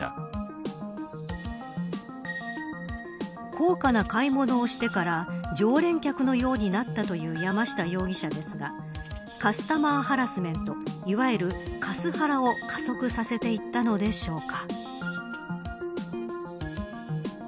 高価な買い物をしてから常連客のようになったという山下容疑者ですがカスタマーハラスメントいわゆるカスハラを加速させていったのでしょうか。